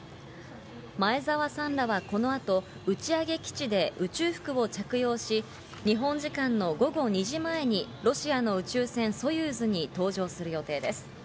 前澤さんらはこの後、打ち上げ基地で宇宙服を着用し、日本時間の午後２時前にロシアの宇宙船ソユーズに搭乗する予定です。